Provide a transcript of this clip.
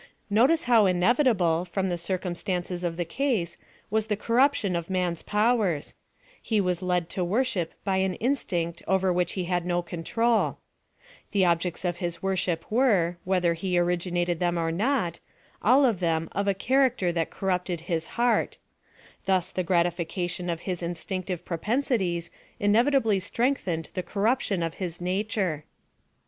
Notice how inevitable, from the circumstances of the case, was the corruption of man's powers: — He was led to worship by an instinct over which he had no control :— The objects of his worship were, whether he originated them or not, all of ihem cf a character that corrupted his heart; thus the gratification of his instinctive propensities inev itably strengthened the corruption of his nature.